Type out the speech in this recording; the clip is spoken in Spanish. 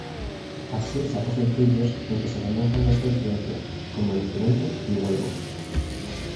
Así sacó sencillos en que se demuestra esta influencia, como "Alucinante" y "Vuelvo".